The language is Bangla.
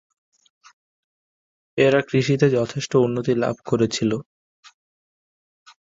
এরা কৃষিতে যথেষ্ট উন্নতি লাভ করেছিলো।